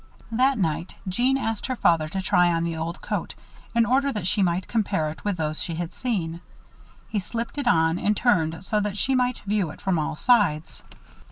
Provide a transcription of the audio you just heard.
That night, Jeanne asked her father to try on the old coat, in order that she might compare it with those she had seen. He slipped it on and turned so that she might view it from all sides.